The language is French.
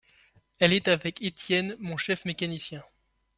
Elle est avec Etienne, mon chef mécanicien.